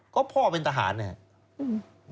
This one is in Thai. ก็พ่อเป็นทหารนะครับ